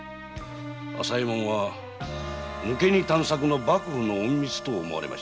朝右衛門は抜け荷探索の幕府隠密と思われました。